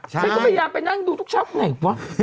ฉันก็พยายามไปนั่งดูทุกเช้าไงวะ